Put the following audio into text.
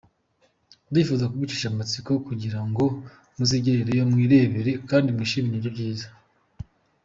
ndifuza kubicisha amatsiko kugira ngo muzigireyo mwirebere kandi munishimire ibyo byiza.